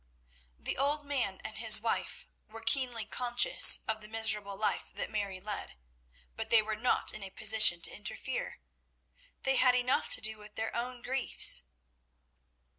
The old man and his wife were keenly conscious of the miserable life that Mary led, but they were not in a position to interfere. They had enough to do with their own griefs.